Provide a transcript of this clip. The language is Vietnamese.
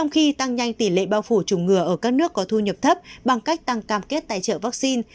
khi tăng nhanh tỷ lệ bao phủ chủng ngừa ở các nước có thu nhập thấp bằng cách tăng cam kết tài trợ vaccine